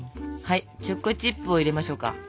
はいチョコチップを入れましょうか。